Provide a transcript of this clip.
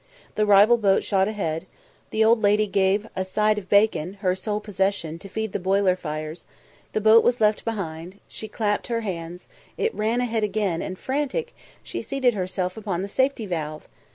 The rival boat shot ahead; the old lady gave a side of bacon, her sole possession, to feed the boiler fires the boat was left behind she clapped her hands it ran ahead again, and, frantic, she seated herself upon the safety valve!